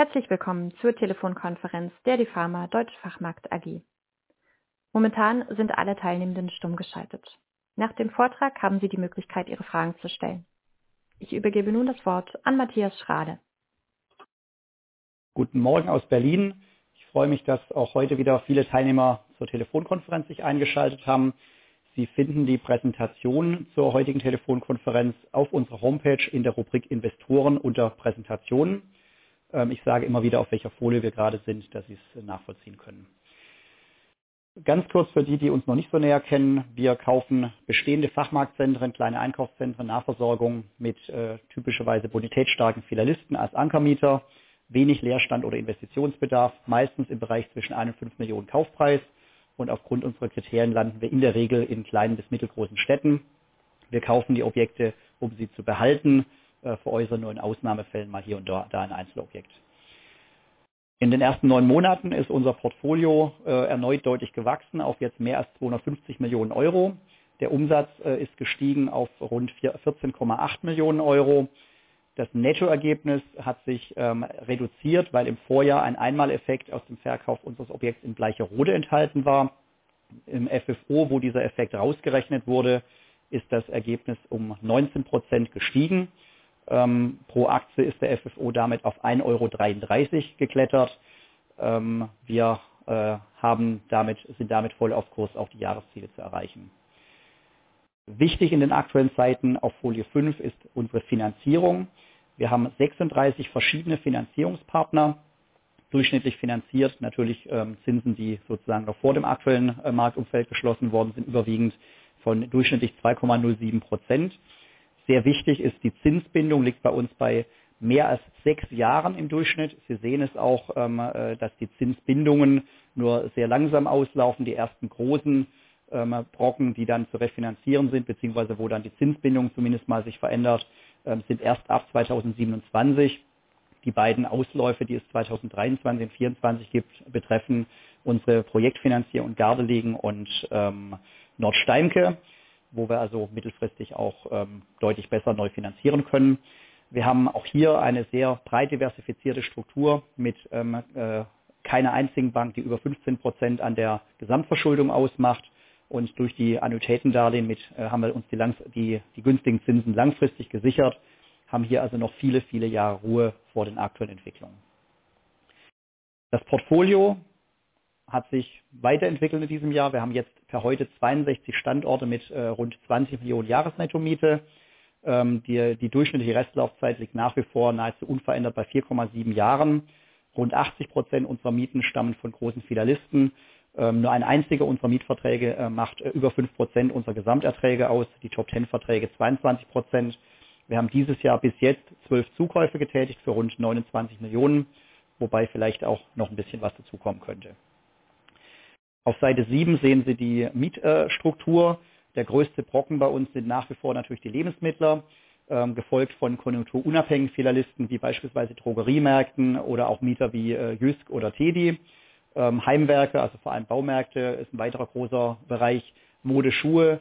Herzlich willkommen zur Telefonkonferenz der DEFAMA Deutsche Fachmarkt AG. Momentan sind alle Teilnehmenden stummgeschaltet. Nach dem Vortrag haben Sie die Möglichkeit, Ihre Fragen zu stellen. Ich übergebe nun das Wort an Matthias Schrade. Guten Morgen aus Berlin. Ich freue mich, dass auch heute wieder viele Teilnehmer zur Telefonkonferenz sich eingeschaltet haben. Sie finden die Präsentation zur heutigen Telefonkonferenz auf unserer Homepage in der Rubrik Investoren unter Präsentationen. Ich sage immer wieder, auf welcher Folie wir gerade sind, dass Sie es nachvollziehen können. Ganz kurz für die uns noch nicht so näher kennen: Wir kaufen bestehende Fachmarktzentren, kleine Einkaufszentren, Nahversorgung mit typischerweise bonitätsstarken Filialisten als Ankermieter, wenig Leerstand oder Investitionsbedarf, meistens im Bereich zwischen 1 Million und 5 Millionen Kaufpreis und aufgrund unserer Kriterien landen wir in der Regel in kleinen bis mittelgroßen Städten. Wir kaufen die Objekte, um sie zu behalten, veräußern nur in Ausnahmefällen mal hier und da ein Einzelobjekt. In den ersten 9 Monaten ist unser Portfolio erneut deutlich gewachsen, auf jetzt mehr als 250 Millionen euro. Der Umsatz ist gestiegen auf rund 14.8 million euro. Das Nettoergebnis hat sich reduziert, weil im Vorjahr ein Einmaleffekt aus dem Verkauf unseres Objekts in Bleicherode enthalten war. Im FFO, wo dieser Effekt rausgerechnet wurde, ist das Ergebnis um 19% gestiegen. Pro Aktie ist der FFO damit auf 1.33 euro geklettert. Wir haben damit, sind damit voll auf Kurs, auch die Jahresziele zu erreichen. Wichtig in den aktuellen Zeiten auf Folie 5 ist unsere Finanzierung. Wir haben 36 verschiedene Finanzierungspartner, durchschnittlich finanziert natürlich Zinsen, die sozusagen noch vor dem aktuellen Marktumfeld geschlossen worden sind, überwiegend von durchschnittlich 2.07%. Sehr wichtig ist: Die Zinsbindung liegt bei uns bei mehr als 6 Jahren im Durchschnitt. Sie sehen es auch, dass die Zinsbindungen nur sehr langsam auslaufen. Die ersten großen Brocken, die dann zu refinanzieren sind, beziehungsweise wo dann die Zinsbindung zumindest mal sich verändert, sind erst ab 2027. Die beiden Ausläufe, die es 2023 und 2024 gibt, betreffen unsere Projektfinanzierung Gardelegen und Nordsteimke, wo wir also mittelfristig auch deutlich besser neu finanzieren können. Wir haben auch hier eine sehr breit diversifizierte Struktur mit keiner einzigen Bank, die über 15% an der Gesamtverschuldung ausmacht. Durch die Annuitätendarlehen haben wir uns die günstigen Zinsen langfristig gesichert, haben hier also noch viele Jahre Ruhe vor den aktuellen Entwicklungen. Das Portfolio hat sich weiterentwickelt in diesem Jahr. Wir haben jetzt per heute 62 Standorte mit rund 20 million Jahresnettomiete. Die durchschnittliche Restlaufzeit liegt nach wie vor nahezu unverändert bei 4.7 Jahren. Rund 80% unserer Mieten stammen von großen Filialisten. Nur ein einziger unserer Mietverträge macht über 5% unserer Gesamterträge aus. Die Top-ten-Verträge 22%. Wir haben dieses Jahr bis jetzt 12 Zukäufe getätigt für rund 29 Millionen, wobei vielleicht auch noch ein bisschen was dazukommen könnte. Auf Seite 7 sehen Sie die Mietstruktur. Der größte Brocken bei uns sind nach wie vor natürlich die Lebensmittler, gefolgt von konjunkturunabhängigen Filialisten wie beispielsweise Drogeriemärkten oder auch Mieter wie Jysk oder TEDi. Heimwerker, also vor allem Baumärkte, ist ein weiterer großer Bereich. Mode, Schuhe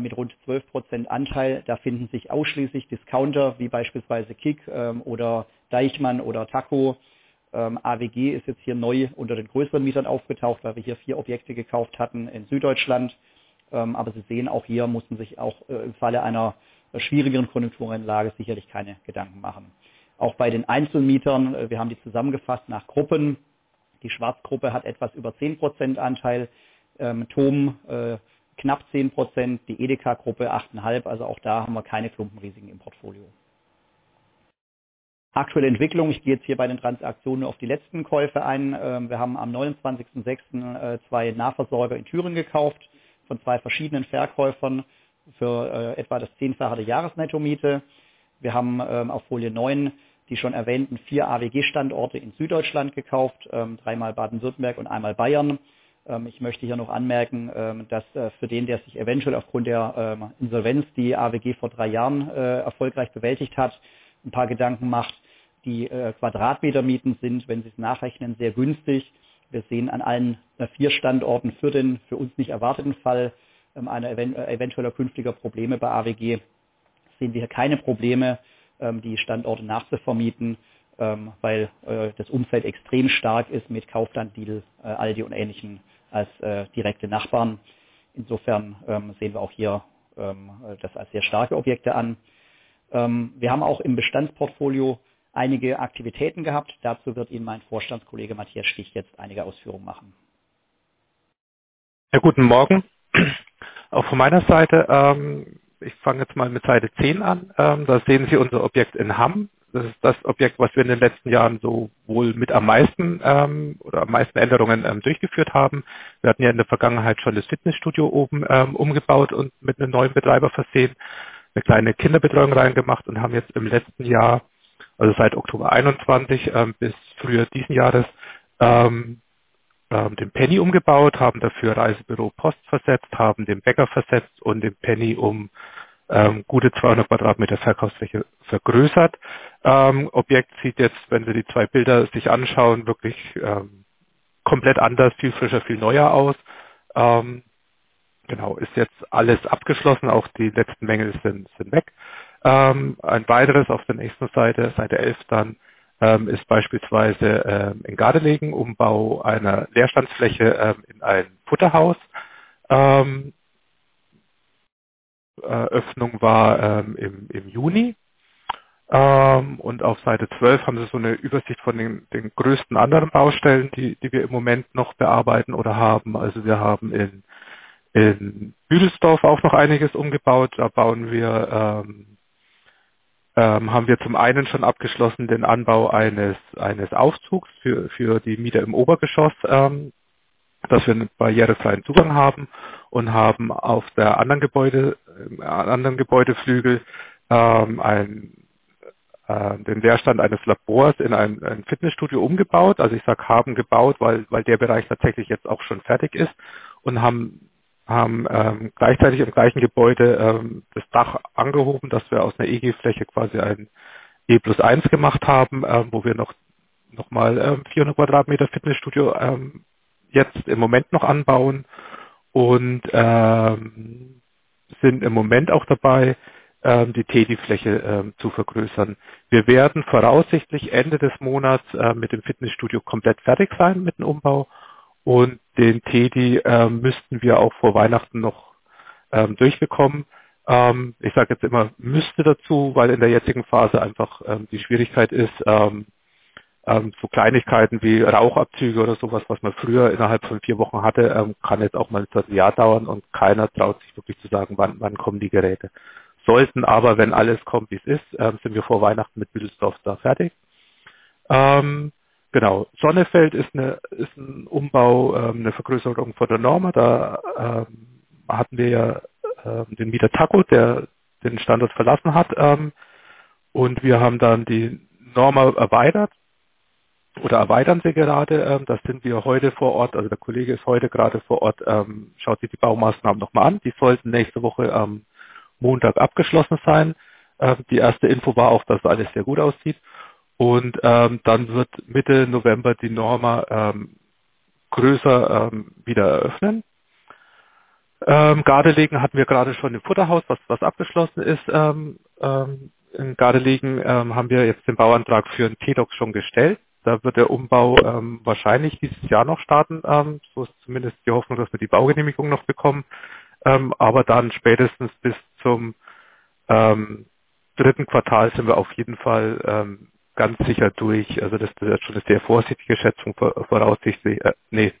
mit rund 12% Anteil. Da finden sich ausschließlich Discounter wie beispielsweise KiK oder Deichmann oder Takko. AWG ist jetzt hier neu unter den größeren Mietern aufgetaucht, da wir hier 4 Objekte gekauft hatten in Süddeutschland. Sie sehen, auch hier muss man sich auch im Falle einer schwierigeren Konjunkturlage sicherlich keine Gedanken machen. Bei den Einzelmietern wir haben die zusammengefasst nach Gruppen. Die Schwarz Gruppe hat etwas über 10% Anteil, Thom knapp 10%, die EDEKA Gruppe 8.5%. Also auch da haben wir keine Klumpenrisiken im Portfolio. Aktuelle Entwicklung. Ich gehe jetzt hier bei den Transaktionen auf die letzten Käufe ein. Wir haben am 29.6. 2 Nahversorger in Thüringen gekauft von 2 verschiedenen Verkäufern für etwa das 10-Fache der Jahresnettomiete. Wir haben auf Folie 9 die schon erwähnten 4 AWG-Standorte in Süddeutschland gekauft, 3-mal Baden-Württemberg und einmal Bayern. Ich möchte hier noch anmerken, dass für den, der sich eventuell aufgrund der Insolvenz, die AWG vor 3 Jahren erfolgreich bewältigt hat, ein paar Gedanken macht. Die Quadratmetermieten sind, wenn Sie es nachrechnen, sehr günstig. Wir sehen an allen vier Standorten für den uns nicht erwarteten Fall einer eventuellen künftiger Probleme bei AWG keine Probleme, die Standorte nachzuvermieten, weil das Umfeld extrem stark ist mit Kaufland, Lidl, Aldi und ähnlichen als direkte Nachbarn. Insofern sehen wir auch hier das als sehr starke Objekte an. Wir haben auch im Bestandsportfolio einige Aktivitäten gehabt. Dazu wird Ihnen mein Vorstandskollege Matthias Stich jetzt einige Ausführungen machen. Ja, guten Morgen auch von meiner Seite. Ich fange jetzt mal mit Seite 10 an. Da sehen Sie unser Objekt in Hamm. Das ist das Objekt, was wir in den letzten Jahren sowohl mit am meisten Änderungen durchgeführt haben. Wir hatten ja in der Vergangenheit schon das Fitnessstudio oben umgebaut und mit einem neuen Betreiber versehen, eine kleine Kinderbetreuung reingemacht und haben jetzt im letzten Jahr, also seit Oktober 2021 bis früher dieses Jahres den Penny umgebaut, haben dafür Reisebüro Post versetzt, haben den Bäcker versetzt und den Penny um gute 200 Quadratmeter Verkaufsfläche vergrößert. Objekt sieht jetzt, wenn Sie die 2 Bilder sich anschauen, wirklich komplett anders, viel frischer, viel neuer aus. Genau, ist jetzt alles abgeschlossen. Auch die letzten Mängel sind weg. Ein weiteres auf der nächsten Seite 11 dann, ist beispielsweise in Gardelegen: Umbau einer Leerstandsfläche in ein Futterhaus. Eröffnung war im Juni. Und auf Seite 12 haben Sie so eine Übersicht von den größten anderen Baustellen, die wir im Moment noch bearbeiten oder haben. Wir haben in Büdelsdorf auch noch einiges umgebaut. Da haben wir zum einen schon abgeschlossen den Anbau eines Aufzugs für die Mieter im Obergeschoss, dass wir einen barrierefreien Zugang haben, und haben auf der anderen Gebäudeflügel den Leerstand eines Labors in ein Fitnessstudio umgebaut. Ich sage „haben gebaut“, weil der Bereich tatsächlich jetzt auch schon fertig ist. Haben gleichzeitig im gleichen Gebäude das Dach angehoben, dass wir aus einer EG-Fläche quasi ein EG plus eins gemacht haben, wo wir noch mal 400 Quadratmeter Fitnessstudio jetzt im Moment noch anbauen und sind im Moment auch dabei, die TEDi-Fläche zu vergrößern. Wir werden voraussichtlich Ende des Monats mit dem Fitnessstudio komplett fertig sein mit dem Umbau und den TEDi müssten wir auch vor Weihnachten noch durchbekommen. Ich sage jetzt immer „müsste“ dazu, weil in der jetzigen Phase einfach die Schwierigkeit ist, so Kleinigkeiten wie Rauchabzüge oder so was man früher innerhalb von vier Wochen hatte, kann jetzt auch mal ein, zwei Jahr dauern und keiner traut sich wirklich zu sagen: „Wann kommen die Geräte?“ Sollten aber, wenn alles kommt, wie es ist, sind wir vor Weihnachten mit Büdelsdorf da fertig. Genau. Sonnefeld ist ein Umbau, 'ne Vergrößerung von der NORMA. Da hatten wir ja den Mieter Takko, der den Standort verlassen hat, und wir haben dann die NORMA erweitert oder erweitern sie gerade. Da sind wir heute vor Ort. Also, der Kollege ist heute gerade vor Ort, schaut sich die Baumaßnahmen noch mal an. Die sollten nächste Woche am Montag abgeschlossen sein. Die erste Info war auch, dass alles sehr gut aussieht. Dann wird Mitte November die NORMA größer wieder eröffnen. Gardelegen hatten wir gerade schon. Das Futterhaus, was abgeschlossen ist. In Gardelegen haben wir jetzt den Bauantrag für einen TEDi schon gestellt. Da wird der Umbau wahrscheinlich dieses Jahr noch starten. So ist zumindest die Hoffnung, dass wir die Baugenehmigung noch bekommen, aber dann spätestens bis zum dritten Quartal sind wir auf jeden Fall ganz sicher durch. Das ist eine sehr vorsichtige Schätzung voraussichtlich. Nee.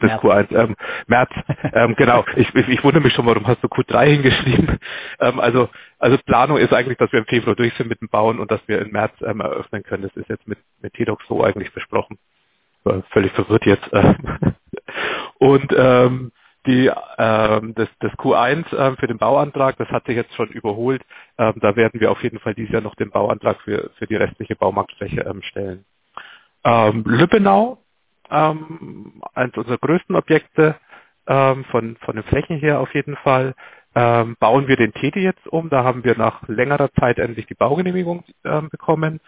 Bis Q1. März. Genau, ich wunder mich schon: „Warum hast du Q3 hingeschrieben?“ Planung ist eigentlich, dass wir im Februar durch sind mit dem Bauen und dass wir im März eröffnen können. Das ist jetzt mit TEDi so eigentlich besprochen. War völlig verwirrt jetzt. Und das Q1 für den Bauantrag, das hatte ich jetzt schon überholt. Da werden wir auf jeden Fall dieses Jahr noch den Bauantrag für die restliche Baumarktfläche stellen. Lübbenau, eins unserer größten Objekte von der Fläche her auf jeden Fall, bauen wir den TEDi jetzt um. Da haben wir nach längerer Zeit endlich die Baugenehmigung bekommen.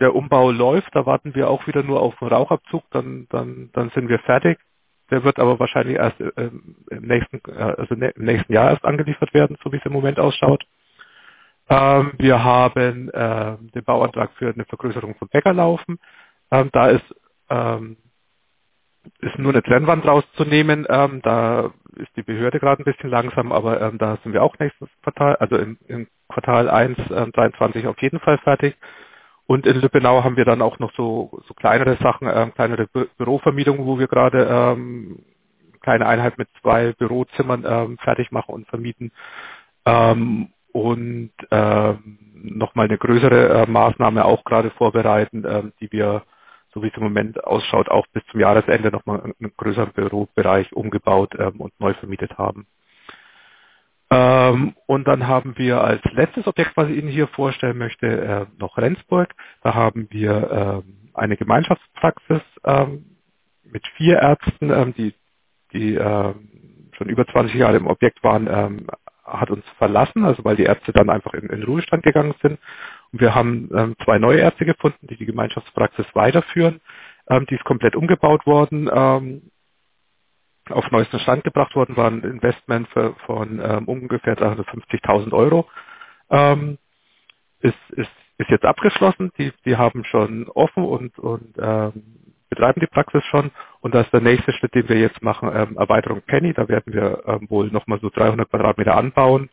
Der Umbau läuft. Da warten wir auch wieder nur auf den Rauchabzug, dann sind wir fertig. Der wird aber wahrscheinlich erst im nächsten Jahr erst angeliefert werden, so wie es im Moment ausschaut. Wir haben den Bauantrag für eine Vergrößerung vom Bäcker laufen. Da ist nur eine Trennwand rauszunehmen. Da ist die Behörde gerade ein bisschen langsam, aber da sind wir auch nächstes Quartal, also im Quartal 1, 2022 auf jeden Fall fertig. In Lübbenau haben wir dann auch noch so kleinere Sachen, kleinere Bürovermietungen, wo wir gerade eine kleine Einheit mit 2 Bürozimmern fertig machen und vermieten. Noch mal eine größere Maßnahme auch gerade vorbereiten, die wir, so wie es im Moment ausschaut, auch bis zum Jahresende noch mal einen größeren Bürobereich umgebaut und neu vermietet haben. Dann haben wir als letztes Objekt, was ich Ihnen hier vorstellen möchte, noch Rendsburg. Da haben wir eine Gemeinschaftspraxis mit 4 Ärzten, die schon über 20 Jahre im Objekt waren, hat uns verlassen, also weil die Ärzte dann einfach in den Ruhestand gegangen sind. Wir haben zwei neue Ärzte gefunden, die die Gemeinschaftspraxis weiterführen. Die ist komplett umgebaut worden, auf neuesten Stand gebracht worden. Waren ein Investment von ungefähr 350,000 euro. Ist jetzt abgeschlossen. Die haben schon offen und betreiben die Praxis schon. Da ist der nächste Schritt, den wir jetzt machen: Erweiterung Penny. Da werden wir wohl noch mal so 300 Quadratmeter anbauen.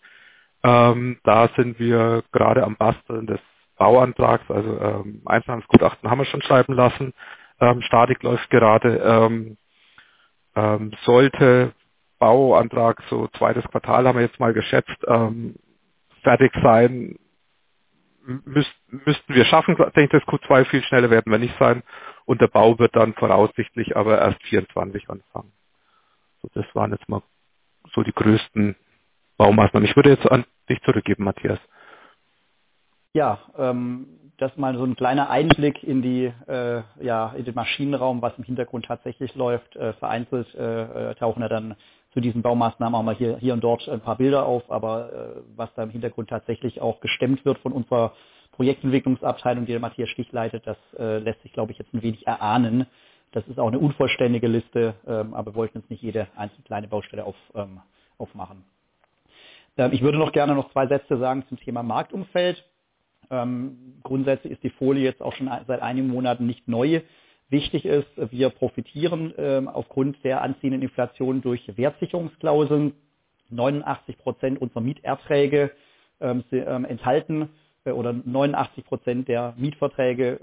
Da sind wir gerade am Basteln des Bauantrags. Also, Einsparungsgutachten haben wir schon schreiben lassen. Statik läuft gerade. Sollte Bauantrag so zweites Quartal, haben wir jetzt mal geschätzt, fertig sein, müssten wir schaffen, denke ich, das Q2. Viel schneller werden wir nicht sein und der Bau wird dann voraussichtlich aber erst 2024 anfangen. Das waren jetzt mal so die größten Baumaßnahmen. Ich würde jetzt an dich zurückgeben, Matthias. Das ist mal so ein kleiner Einblick in die in den Maschinenraum, was im Hintergrund tatsächlich läuft. Vereinzelt tauchen ja dann zu diesen Baumaßnahmen auch mal hier und dort ein paar Bilder auf, aber was da im Hintergrund tatsächlich auch gestemmt wird von unserer Projektentwicklungsabteilung, die der Matthias Stich leitet, das lässt sich, glaube ich, jetzt ein wenig erahnen. Das ist auch eine unvollständige Liste, aber wir wollten jetzt nicht jede einzelne kleine Baustelle aufmachen. Ich würde noch gerne zwei Sätze sagen zum Thema Marktumfeld. Grundsätzlich ist die Folie jetzt auch schon seit einigen Monaten nicht neu. Wichtig ist: Wir profitieren aufgrund der anziehenden Inflation durch Wertsicherungsklauseln. 89% unserer Mieterträge oder 89% der Mietverträge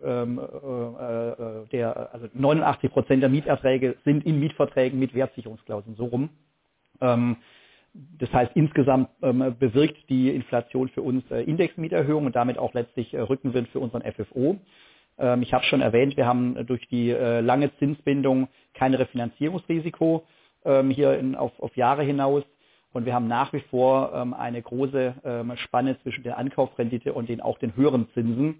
sind in Mietverträgen mit Wertsicherungsklauseln. So rum. Das heißt insgesamt bewirkt die Inflation für uns Indexmieterhöhungen und damit auch letztlich Rückenwind für unseren FFO. Ich habe schon erwähnt, wir haben durch die lange Zinsbindung kein Refinanzierungsrisiko hier auf Jahre hinaus. Wir haben nach wie vor eine große Spanne zwischen der Ankaufrendite und den höheren Zinsen.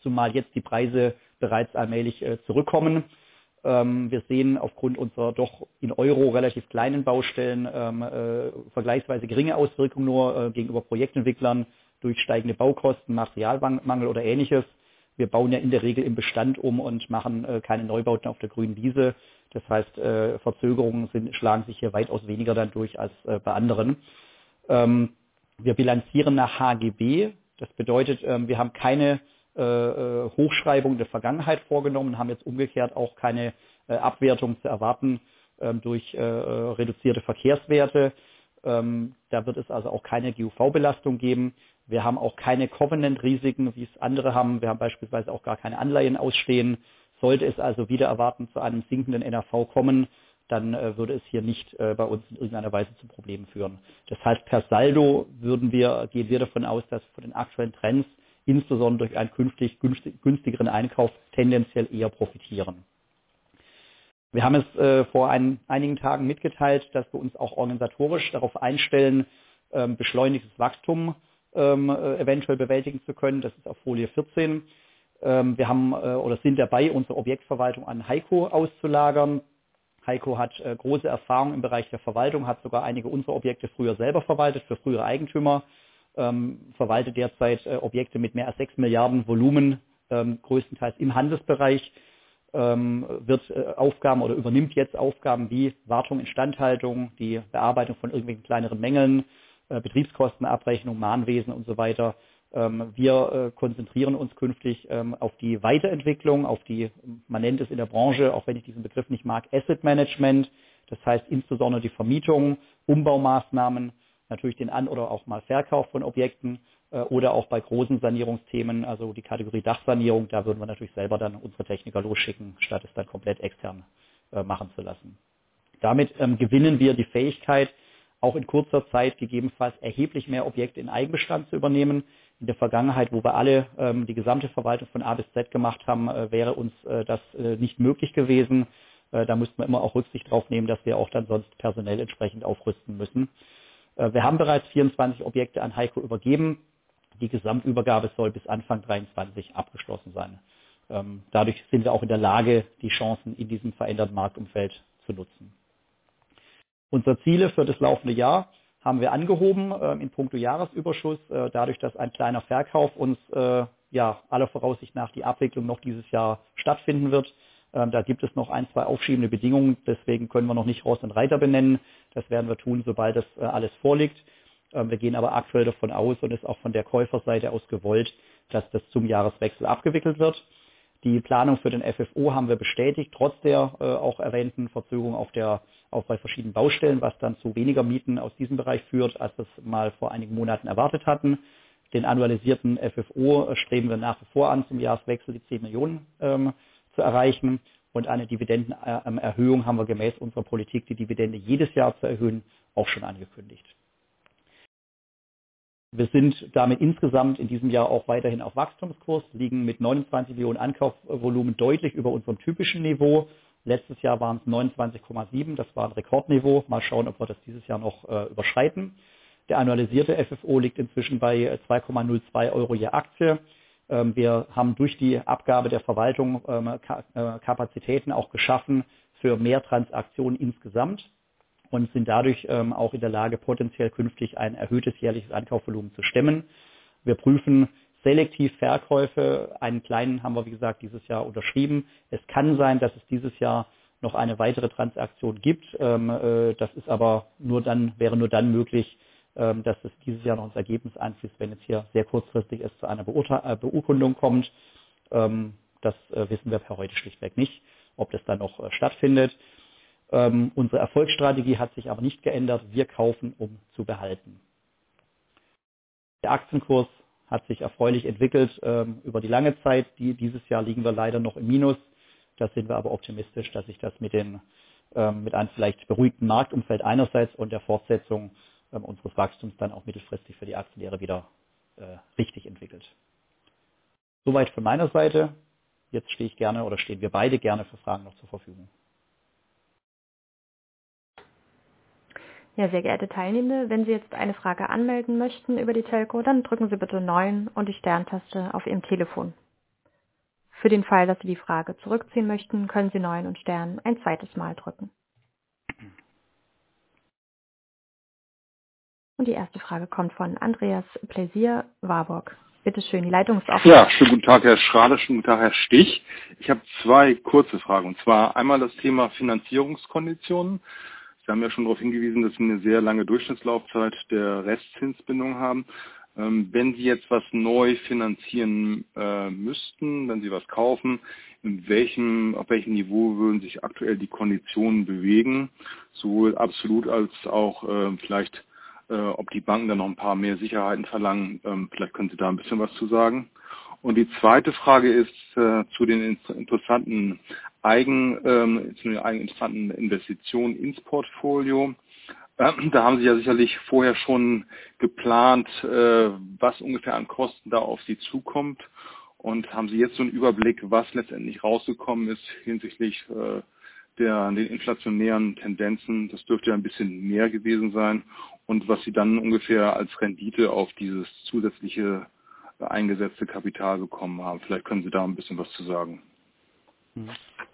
Zumal jetzt die Preise bereits allmählich zurückkommen. Wir sehen aufgrund unserer doch in Euro relativ kleinen Baustellen vergleichsweise geringe Auswirkungen nur gegenüber Projektentwicklern durch steigende Baukosten, Materialmangel oder Ähnliches. Wir bauen ja in der Regel im Bestand um und machen keine Neubauten auf der grünen Wiese. Das heißt, Verzögerungen sind, schlagen sich hier weitaus weniger dann durch als bei anderen. Wir bilanzieren nach HGB. Das bedeutet, wir haben keine Hochschreibung der Vergangenheit vorgenommen und haben jetzt umgekehrt auch keine Abwertung zu erwarten durch reduzierte Verkehrswerte. Da wird es also auch keine GuV-Belastung geben. Wir haben auch keine Covenant-Risiken, wie es andere haben. Wir haben beispielsweise auch gar keine Anleihen ausstehen. Sollte es also wider Erwarten zu einem sinkenden NAV kommen, dann würde es hier nicht bei uns in irgendeiner Weise zu Problemen führen. Das heißt, per Saldo würden wir, gehen wir davon aus, dass von den aktuellen Trends, insbesondere durch einen künftig günstigeren Einkauf tendenziell eher profitieren. Wir haben es vor einigen Tagen mitgeteilt, dass wir uns auch organisatorisch darauf einstellen, beschleunigtes Wachstum eventuell bewältigen zu können. Das ist auf Folie 14. Wir haben oder sind dabei, unsere Objektverwaltung an Heco-Immobilien auszulagern. Heco-Immobilien hat große Erfahrung im Bereich der Verwaltung, hat sogar einige unserer Objekte früher selber verwaltet für frühere Eigentümer. Verwaltet derzeit Objekte mit mehr als 6 Milliarden Volumen, größtenteils im Handelsbereich. Wird Aufgaben oder übernimmt jetzt Aufgaben wie Wartung, Instandhaltung, die Bearbeitung von irgendwelchen kleineren Mängeln, Betriebskostenabrechnung, Mahnwesen und so weiter. Wir konzentrieren uns künftig auf die Weiterentwicklung, auf die man nennt es in der Branche, auch wenn ich diesen Begriff nicht mag, Asset Management. Das heißt insbesondere die Vermietung, Umbaumaßnahmen, natürlich den An- oder auch mal Verkauf von Objekten, oder auch bei großen Sanierungsthemen, also die Kategorie Dachsanierung. Da würden wir natürlich selber dann unsere Techniker losschicken, statt es dann komplett extern machen zu lassen. Damit gewinnen wir die Fähigkeit, auch in kurzer Zeit gegebenenfalls erheblich mehr Objekte in Eigenbestand zu übernehmen. In der Vergangenheit, wo wir alle die gesamte Verwaltung von A bis Z gemacht haben, wäre uns das nicht möglich gewesen. Da mussten wir immer auch Rücksicht drauf nehmen, dass wir auch dann sonst personell entsprechend aufrüsten müssen. Wir haben bereits 24 Objekte an Heco-Immobilien übergeben. Die Gesamtübergabe soll bis Anfang 2023 abgeschlossen sein. Dadurch sind wir auch in der Lage, die Chancen in diesem veränderten Marktumfeld zu nutzen. Unsere Ziele für das laufende Jahr haben wir angehoben in puncto Jahresüberschuss dadurch, dass ein kleiner Verkauf uns ja aller Voraussicht nach die Abwicklung noch dieses Jahr stattfinden wird. Da gibt es noch ein, zwei aufschiebende Bedingungen, deswegen können wir noch nicht Ross und Reiter benennen. Das werden wir tun, sobald das alles vorliegt. Wir gehen aber aktuell davon aus, und es ist auch von der Käuferseite aus gewollt, dass das zum Jahreswechsel abgewickelt wird. Die Planung für den FFO haben wir bestätigt, trotz der auch erwähnten Verzögerung bei verschiedenen Baustellen, was dann zu weniger Mieten aus diesem Bereich führt, als wir es mal vor einigen Monaten erwartet hatten. Den annualisierten FFO streben wir nach wie vor an, zum Jahreswechsel die 10 million zu erreichen und eine Dividenden-Erhöhung haben wir gemäß unserer Politik, die Dividende jedes Jahr zu erhöhen, auch schon angekündigt. Wir sind damit insgesamt in diesem Jahr auch weiterhin auf Wachstumskurs, liegen mit 29 million Ankaufvolumen deutlich über unserem typischen Niveau. Letztes Jahr waren es 29.7 million, das war ein Rekordniveau. Mal schauen, ob wir das dieses Jahr noch überschreiten. Der annualisierte FFO liegt inzwischen bei 2.02 euro je Aktie. Wir haben durch die Abgabe der Verwaltung Kapazitäten auch geschaffen für mehr Transaktionen insgesamt und sind dadurch auch in der Lage, potenziell künftig ein erhöhtes jährliches Ankaufvolumen zu stemmen. Wir prüfen selektiv Verkäufe. Einen kleinen haben wir, wie gesagt, dieses Jahr unterschrieben. Es kann sein, dass es dieses Jahr noch eine weitere Transaktion gibt. Das ist aber nur dann möglich, dass es dieses Jahr noch ins Ergebnis einfließt, wenn es hier sehr kurzfristig erst zu einer Beurkundung kommt. Das wissen wir per heute schlichtweg nicht, ob das dann noch stattfindet. Unsere Erfolgsstrategie hat sich auch nicht geändert. Wir kaufen, um zu behalten. Der Aktienkurs hat sich erfreulich entwickelt über die lange Zeit. Dieses Jahr liegen wir leider noch im Minus. Da sind wir aber optimistisch, dass sich das mit dem, mit einem vielleicht beruhigten Marktumfeld einerseits und der Fortsetzung unseres Wachstums dann auch mittelfristig für die Aktionäre wieder richtig entwickelt. Soweit von meiner Seite. Jetzt stehe ich gerne oder stehen wir beide gerne für Fragen noch zur Verfügung. Ja, sehr geehrte Teilnehmer, wenn Sie jetzt eine Frage anmelden möchten über die Telko, dann drücken Sie bitte Neun und die Sterntaste auf Ihrem Telefon. Für den Fall, dass Sie die Frage zurückziehen möchten, können Sie Neun und Stern ein zweites Mal drücken. Die erste Frage kommt von Andreas Pläsier, Warburg. Bitte schön, Leitung ist offen. Ja, schönen guten Tag, Herr Schrade. Schönen guten Tag, Herr Stich. Ich habe zwei kurze Fragen, und zwar einmal das Thema Finanzierungskonditionen. Sie haben ja schon darauf hingewiesen, dass Sie eine sehr lange Durchschnittslaufzeit der Restzinsbindung haben. Wenn Sie jetzt was neu finanzieren müssten, wenn Sie was kaufen, auf welchem Niveau würden sich aktuell die Konditionen bewegen? Sowohl absolut als auch vielleicht ob die Banken da noch ein paar mehr Sicherheiten verlangen. Vielleicht können Sie da ein bisschen was zu sagen. Und die zweite Frage ist zu den eigeninteressanten Investitionen ins Portfolio. Da haben Sie ja sicherlich vorher schon geplant, was ungefähr an Kosten da auf Sie zukommt. Und haben Sie jetzt so einen Überblick, was letztendlich rausgekommen ist hinsichtlich der inflationären Tendenzen? Das dürfte ja ein bisschen mehr gewesen sein. Was Sie dann ungefähr als Rendite auf dieses zusätzliche eingesetzte Kapital bekommen haben. Vielleicht können Sie da ein bisschen was zu sagen.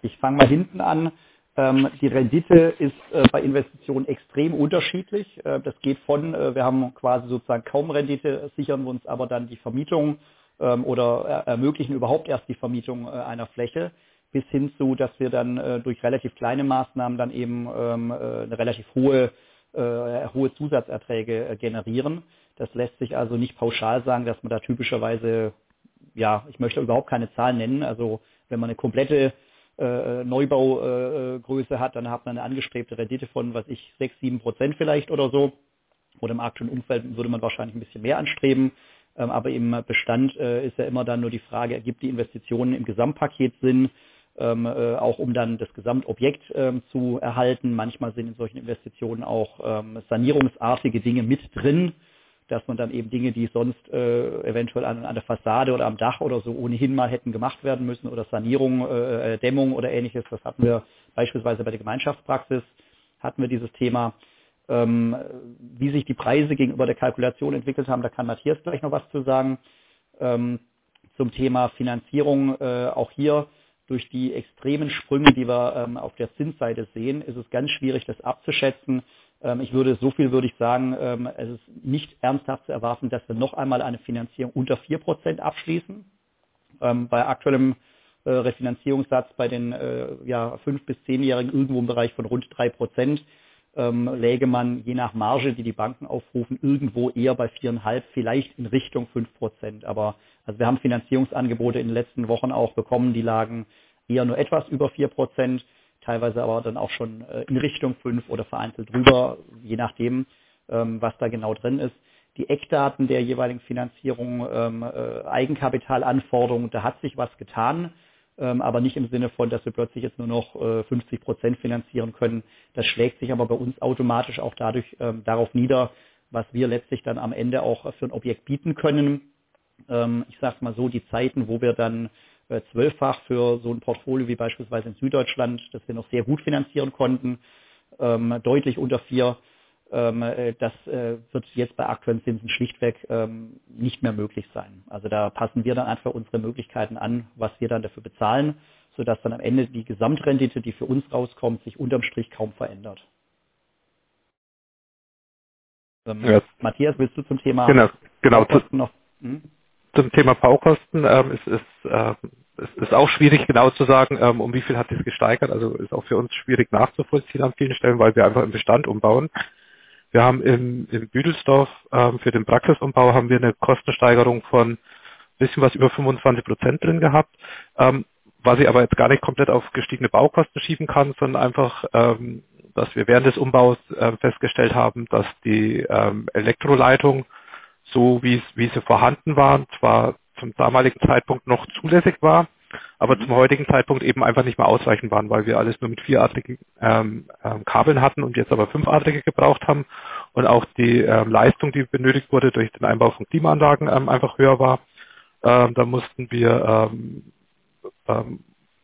Ich fange mal hinten an. Die Rendite ist bei Investitionen extrem unterschiedlich. Das geht von, wir haben quasi sozusagen kaum Rendite, sichern uns aber dann die Vermietung oder ermöglichen überhaupt erst die Vermietung einer Fläche, bis hin zu, dass wir dann durch relativ kleine Maßnahmen dann eben relativ hohe Zusatzerträge generieren. Das lässt sich also nicht pauschal sagen, dass man da typischerweise. Ja, ich möchte überhaupt keine Zahlen nennen. Also wenn man eine komplette Neubaugröße hat, dann hat man eine angestrebte Rendite von, was weiß ich, 6, 7% vielleicht oder so. Unter marktlichen Umständen würde man wahrscheinlich ein bisschen mehr anstreben, aber im Bestand ist ja immer dann nur die Frage: Ergibt die Investition im Gesamtpaket Sinn, auch um dann das Gesamtobjekt zu erhalten? Manchmal sind in solchen Investitionen auch sanierungsartige Dinge mit drin, dass man dann eben Dinge, die sonst eventuell an der Fassade oder am Dach oder so ohnehin mal hätten gemacht werden müssen oder Sanierung, Dämmung oder Ähnliches. Das hatten wir beispielsweise bei der Gemeinschaftspraxis, hatten wir dieses Thema. Wie sich die Preise gegenüber der Kalkulation entwickelt haben, da kann Matthias gleich noch was zu sagen. Zum Thema Finanzierung: Auch hier durch die extremen Sprünge, die wir auf der Zinsseite sehen, ist es ganz schwierig, das abzuschätzen. So viel würde ich sagen: Es ist nicht ernsthaft zu erwarten, dass wir noch einmal eine Finanzierung unter 4% abschließen. Bei aktuellem Refinanzierungssatz bei den 5- bis 10-jährigen irgendwo im Bereich von rund 3%, läge man je nach Marge, die die Banken aufrufen, irgendwo eher bei 4.5%, vielleicht in Richtung 5%. Wir haben Finanzierungsangebote in den letzten Wochen auch bekommen, die lagen eher nur etwas über 4%, teilweise aber dann auch schon in Richtung 5% oder vereinzelt drüber, je nachdem, was da genau drin ist. Die Eckdaten der jeweiligen Finanzierung, Eigenkapitalanforderung, da hat sich was getan, aber nicht im Sinne von, dass wir plötzlich jetzt nur noch 50% finanzieren können. Das schlägt sich aber bei uns automatisch auch dadurch darauf nieder, was wir letztlich dann am Ende auch für ein Objekt bieten können. Ich sage es mal so: Die Zeiten, wo wir dann 12x für so ein Portfolio wie beispielsweise in Süddeutschland, das wir noch sehr gut finanzieren konnten, deutlich unter 4, das wird jetzt bei aktuellen Zinsen schlichtweg nicht mehr möglich sein. Also, da passen wir dann einfach unsere Möglichkeiten an, was wir dann dafür bezahlen, sodass dann am Ende die Gesamtrendite, die für uns rauskommt, sich unterm Strich kaum verändert. Matthias, willst du zum Thema- Genau. Zum Thema Baukosten. Es ist auch schwierig, genau zu sagen, um wie viel hat sich das gesteigert. Also ist auch für uns schwierig nachzuvollziehen an vielen Stellen, weil wir einfach im Bestand umbauen. Wir haben in Büdelsdorf für den Praxisumbau eine Kostensteigerung von bisschen was über 25% drin gehabt, was ich aber jetzt gar nicht komplett auf gestiegene Baukosten schieben kann, sondern einfach, dass wir während des Umbaus festgestellt haben, dass die Elektroleitungen, so wie sie vorhanden waren, zwar zum damaligen Zeitpunkt noch zulässig war, aber zum heutigen Zeitpunkt eben einfach nicht mehr ausreichend waren, weil wir alles nur mit vieradrigen Kabeln hatten und jetzt aber fünfadrige gebraucht haben und auch die Leistung, die benötigt wurde, durch den Einbau von Klimaanlagen einfach höher war. Da mussten wir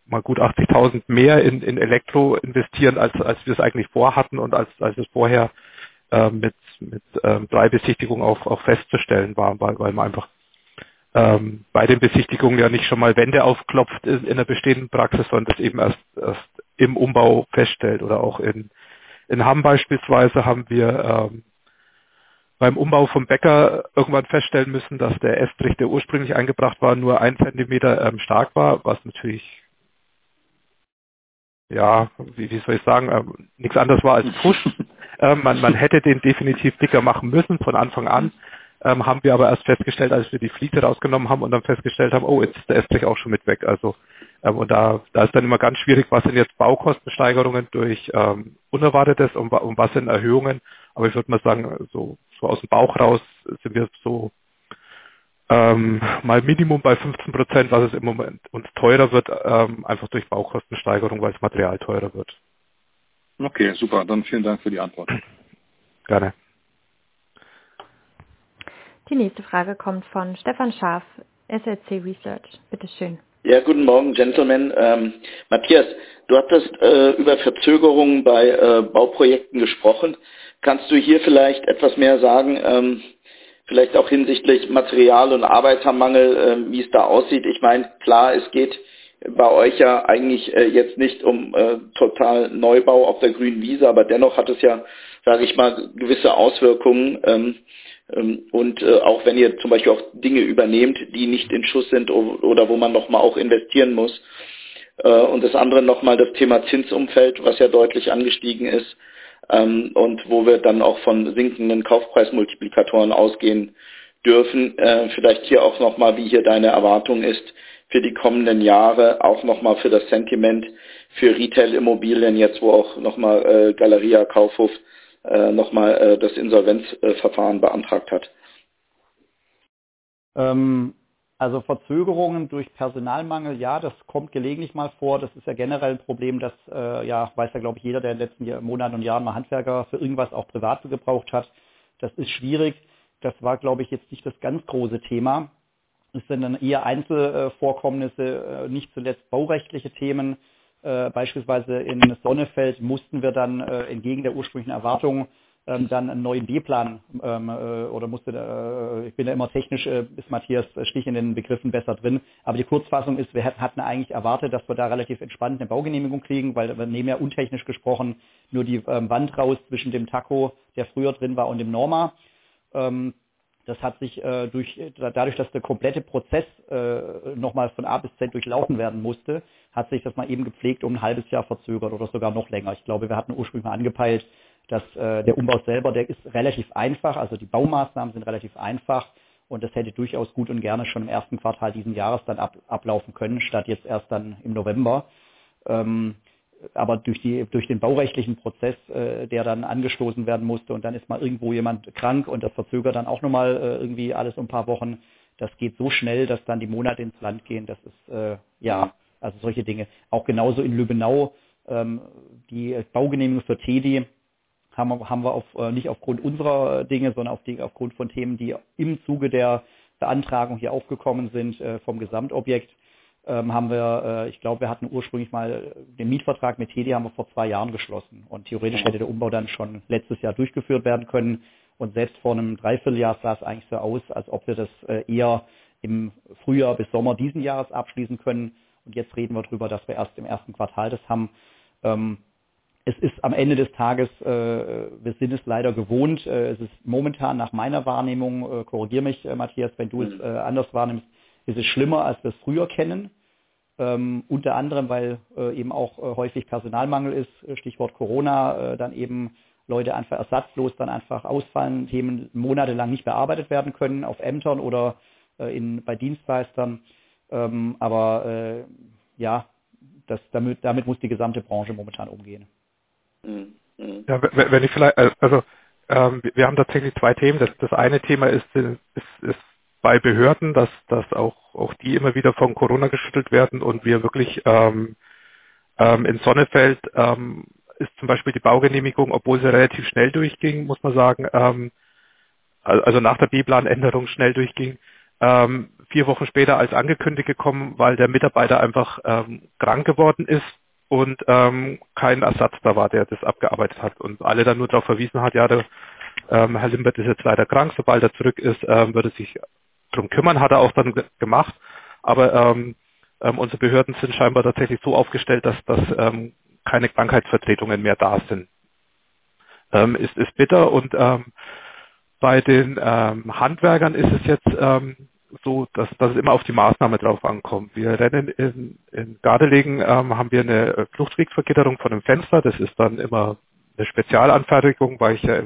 mal gut 80,000 mehr in Elektro investieren, als wir es eigentlich vorhatten und als es vorher mit 3 Besichtigungen auch festzustellen war, weil man einfach bei den Besichtigungen ja nicht schon mal Wände aufklopft in einer bestehenden Praxis, sondern das eben erst im Umbau feststellt. In Hamm beispielsweise haben wir beim Umbau vom Bäcker irgendwann feststellen müssen, dass der Estrich, der ursprünglich eingebracht war, nur 1 Zentimeter stark war, was natürlich, ja, wie soll ich sagen, nichts anderes war als Pfusch. Man hätte den definitiv dicker machen müssen von Anfang an, haben wir aber erst festgestellt, als wir die Fliese rausgenommen haben und dann festgestellt haben. Oh, jetzt ist der Estrich auch schon mit weg. Da ist es dann immer ganz schwierig: Was sind jetzt Baukostensteigerungen durch Unerwartetes und was sind Erhöhungen? Ich würde mal sagen, so aus dem Bauch raus sind wir so mal Minimum bei 15%, was es im Moment uns teurer wird, einfach durch Baukostensteigerung, weil das Material teurer wird. Okay, super. Vielen Dank für die Antwort. Gerne. Die nächste Frage kommt von Stefan Scharff, SRC Research. Bitte schön. Ja, guten Morgen, Gentlemen. Matthias, du hattest über Verzögerungen bei Bauprojekten gesprochen. Kannst du hier vielleicht etwas mehr sagen, vielleicht auch hinsichtlich Material- und Arbeitermangel, wie es da aussieht? Ich meine, klar, es geht bei euch ja eigentlich jetzt nicht um Totalneubau auf der grünen Wiese, aber dennoch hat es ja, sage ich mal, gewisse Auswirkungen. Auch wenn ihr zum Beispiel Dinge übernehmt, die nicht in Schuss sind oder wo man noch mal investieren muss. Das andere noch mal, das Thema Zinsumfeld, was ja deutlich angestiegen ist, und wo wir dann auch von sinkenden Kaufpreismultiplikatoren ausgehen dürfen. Vielleicht hier auch noch mal, wie deine Erwartung ist für die kommenden Jahre. Auch noch mal für das Sentiment für Retail-Immobilien jetzt, wo auch noch mal Galeria Kaufhof noch mal das Insolvenzverfahren beantragt hat. Verzögerungen durch Personalmangel. Ja, das kommt gelegentlich mal vor. Das ist ja generell ein Problem, das ja weiß ja glaube ich jeder, der in den letzten Monaten und Jahren mal Handwerker für irgendwas auch privat so gebraucht hat. Das ist schwierig. Das war glaube ich jetzt nicht das ganz große Thema. Das sind dann eher Einzelvorkommnisse, nicht zuletzt baurechtliche Themen. Beispielsweise in Sonnefeld mussten wir dann entgegen der ursprünglichen Erwartungen dann einen neuen B-Plan. Ich bin da immer technisch, ist Matthias Stich in den Begriffen besser drin. Aber die Kurzfassung ist: Wir hatten eigentlich erwartet, dass wir da relativ entspannt eine Baugenehmigung kriegen, weil wir nehmen ja untechnisch gesprochen nur die Wand raus zwischen dem Takko, der früher drin war, und dem NORMA. Das hat sich dadurch, dass der komplette Prozess noch mal von A bis Z durchlaufen werden musste, um ein halbes Jahr verzögert oder sogar noch länger. Ich glaube, wir hatten ursprünglich mal angepeilt, dass der Umbau selber, der ist relativ einfach. Die Baumaßnahmen sind relativ einfach und das hätte durchaus gut und gerne schon im ersten Quartal diesen Jahres dann ablaufen können statt jetzt erst dann im November. Durch den baurechtlichen Prozess, der dann angestoßen werden musste und dann ist mal irgendwo jemand krank und das verzögert dann auch noch mal irgendwie alles um ein paar Wochen. Das geht so schnell, dass dann die Monate ins Land gehen. Das ist ja. Solche Dinge. Auch genauso in Lübbenau. Die Baugenehmigung für TEDi haben wir nicht aufgrund unserer Dinge, sondern aufgrund von Themen, die im Zuge der Beantragung hier aufgekommen sind, vom Gesamtobjekt. Ich glaube, wir hatten ursprünglich mal den Mietvertrag mit TEDi vor 2 Jahren geschlossen und theoretisch hätte der Umbau dann schon letztes Jahr durchgeführt werden können. Selbst vor einem Dreivierteljahr sah es eigentlich so aus, als ob wir das eher im Frühjahr bis Sommer diesen Jahres abschließen können. Jetzt reden wir darüber, dass wir erst im ersten Quartal das haben. Es ist am Ende des Tages, wir sind es leider gewohnt, es ist momentan nach meiner Wahrnehmung, korrigiere mich, Matthias, wenn du es anders wahrnimmst, ist es schlimmer, als wir es früher kennen. Unter anderem, weil eben auch häufig Personalmangel ist. Stichwort Corona. Dann eben Leute einfach ersatzlos ausfallen. Themen monatelang nicht bearbeitet werden können auf Ämtern oder in bei Dienstleistern. Ja, das damit muss die gesamte Branche momentan umgehen. Mhm, mhm. Also, wir haben tatsächlich zwei Themen. Das eine Thema ist bei Behörden, dass auch die immer wieder von Corona geschüttelt werden und wir wirklich in Sonnefeld ist zum Beispiel die Baugenehmigung, obwohl sie relativ schnell durchging, muss man sagen, also nach der B-Plan-Änderung schnell durchging, 4 Wochen später als angekündigt gekommen, weil der Mitarbeiter einfach krank geworden ist und kein Ersatz da war, der das abgearbeitet hat und alle dann nur darauf verwiesen hat: „Ja, Herr Limbert ist jetzt leider krank. Sobald er zurück ist, wird er sich drum kümmern.“ Hat er auch dann gemacht, aber unsere Behörden sind scheinbar tatsächlich so aufgestellt, dass keine Krankheitsvertretungen mehr da sind. Es ist bitter, bei den Handwerkern ist es jetzt so, dass es immer auf die Maßnahme drauf ankommt. Wir rennen in Gardelegen, haben wir eine Fluchtwegvergitterung von einem Fenster. Das ist dann immer eine Spezialanfertigung, weil ich ja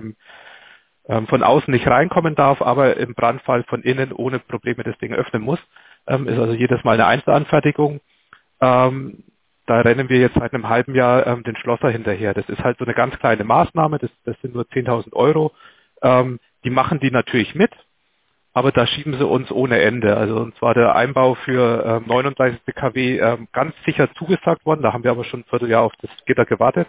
von außen nicht reinkommen darf, aber im Brandfall von innen ohne Probleme das Ding öffnen muss. Ist also jedes Mal eine Einzelanfertigung. Da rennen wir jetzt seit einem halben Jahr den Schlosser hinterher. Das ist halt so eine ganz kleine Maßnahme, das sind nur 10,000 euro. Die machen die natürlich mit, aber da schieben sie uns ohne Ende. Uns war der Einbau für 39 KW ganz sicher zugesagt worden. Da haben wir aber schon ein Vierteljahr auf das Gitter gewartet,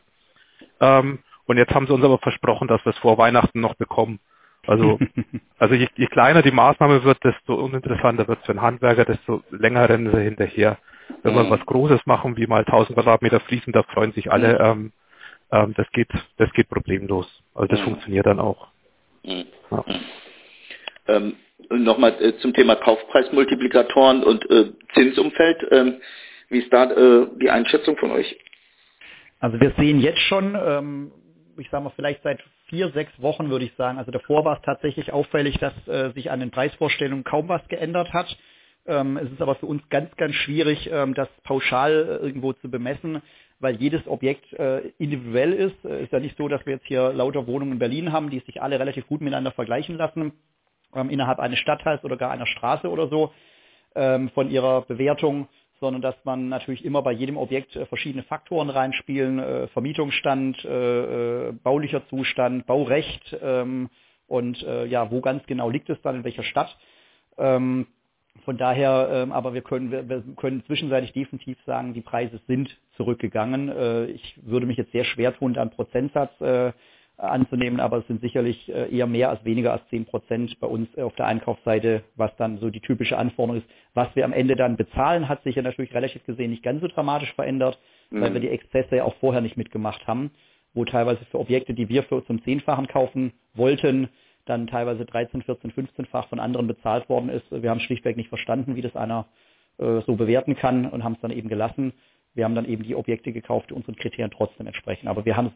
und jetzt haben sie uns aber versprochen, dass wir es vor Weihnachten noch bekommen. Je kleiner die Maßnahme wird, desto uninteressanter wird es für den Handwerker, desto länger rennen wir hinterher. Wenn wir was Großes machen, wie mal 1000 Quadratmeter Fliesen, da freuen sich alle. Das geht problemlos. Das funktioniert dann auch. Mhm. Ja. Noch mal zum Thema Kaufpreismultiplikatoren und Zinsumfeld. Wie ist da die Einschätzung von euch? Wir sehen jetzt schon, ich sage mal, vielleicht seit 4-6 Wochen, würde ich sagen. Davor war es tatsächlich auffällig, dass sich an den Preisvorstellungen kaum was geändert hat. Es ist aber für uns ganz schwierig, das pauschal irgendwo zu bemessen, weil jedes Objekt individuell ist. Es ist ja nicht so, dass wir jetzt hier lauter Wohnungen in Berlin haben, die sich alle relativ gut miteinander vergleichen lassen, innerhalb eines Stadtteils oder gar einer Straße oder so, von ihrer Bewertung, sondern dass man natürlich immer bei jedem Objekt verschiedene Faktoren reinspielen, Vermietungsstand, baulicher Zustand, Baurecht, und ja, wo ganz genau liegt es dann? In welcher Stadt? Von daher, aber wir können zwischenzeitlich definitiv sagen, die Preise sind zurückgegangen. Ich würde mich jetzt sehr schwer tun, da einen Prozentsatz anzunehmen, aber es sind sicherlich eher mehr als weniger als 10% bei uns auf der Einkaufsseite, was dann so die typische Anforderung ist. Was wir am Ende dann bezahlen, hat sich ja natürlich relativ gesehen nicht ganz so dramatisch verändert, weil wir die Exzesse ja auch vorher nicht mitgemacht haben, wo teilweise für Objekte, die wir für zum 10-Fachen kaufen wollten, dann teilweise 13-, 14-, 15-fach von anderen bezahlt worden ist. Wir haben schlichtweg nicht verstanden, wie das einer so bewerten kann, und haben es dann eben gelassen. Wir haben dann eben die Objekte gekauft, die unseren Kriterien trotzdem entsprechen.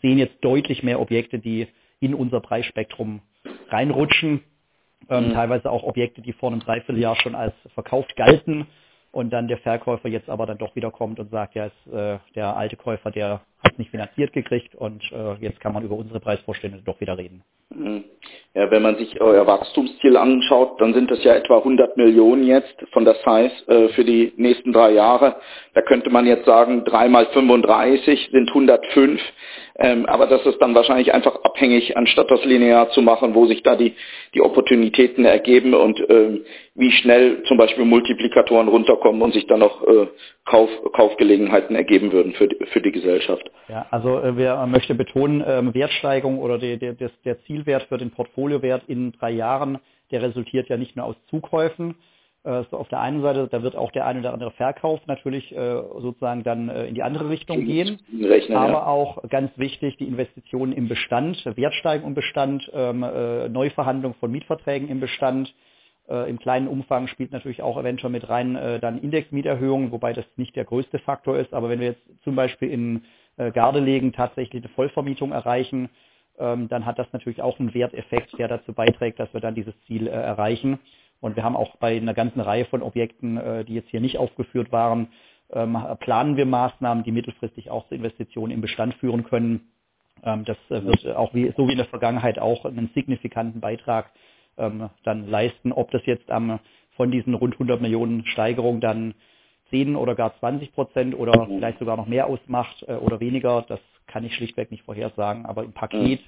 sehen jetzt deutlich mehr Objekte, die in unser Preisspektrum reinrutschen, teilweise auch Objekte, die vor einem Dreivierteljahr schon als verkauft galten und dann der Verkäufer jetzt aber dann doch wiederkommt und sagt: „Ja, es, der alte Käufer, der hat nicht finanziert gekriegt und jetzt kann man über unsere Preisvorstellungen doch wieder reden. Ja, wenn man sich euer Wachstumsziel anschaut, dann sind es ja etwa 100 Millionen jetzt von das heißt für die nächsten 3 Jahre. Da könnte man jetzt sagen, 3 × 35 sind 105. Das ist dann wahrscheinlich einfach abhängig, anstatt das linear zu machen, wo sich da die Opportunitäten ergeben und wie schnell zum Beispiel Multiplikatoren runterkommen und sich dann noch Kaufgelegenheiten ergeben würden für die Gesellschaft. Wir möchten betonen, Wertsteigerung oder der Zielwert für den Portfoliowert in drei Jahren, der resultiert ja nicht nur aus Zukäufen. Auf der einen Seite, da wird auch der eine oder andere Verkauf natürlich, sozusagen dann, in die andere Richtung gehen. Rechnen, ja. Auch ganz wichtig: Die Investitionen im Bestand, Wertsteigerung Bestand, Neuverhandlung von Mietverträgen im Bestand. Im kleinen Umfang spielt natürlich auch eventuell mit rein, dann Indexmieterhöhungen, wobei das nicht der größte Faktor ist. Wenn wir jetzt zum Beispiel in Gardelegen tatsächlich eine Vollvermietung erreichen, dann hat das natürlich auch einen Werteffekt, der dazu beiträgt, dass wir dann dieses Ziel erreichen. Wir haben auch bei einer ganzen Reihe von Objekten, die jetzt hier nicht aufgeführt waren, planen wir Maßnahmen, die mittelfristig auch zu Investitionen im Bestand führen können. Das wird auch so wie in der Vergangenheit einen signifikanten Beitrag dann leisten. Ob das jetzt von diesen rund 100 Millionen Steigerung dann 10 oder gar 20% oder vielleicht sogar noch mehr ausmacht, oder weniger, das kann ich schlichtweg nicht vorhersagen. Im Paket